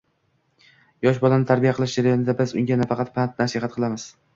Yosh bolani tarbiya qilish jarayonida biz unga nafaqat pand-nasihat qilamiz